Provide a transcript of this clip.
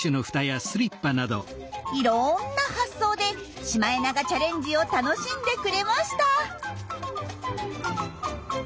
いろんな発想でシマエナガチャレンジを楽しんでくれました。